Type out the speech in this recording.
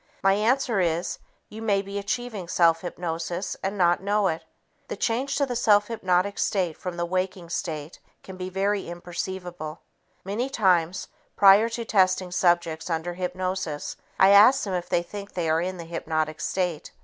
My answer is you may be achieving self hypnosis and not know it! The change to the self hypnotic state from the waking state can be imperceptible. Many times, prior to testing subjects under hypnosis, I ask them if they think they are in the hypnotic state.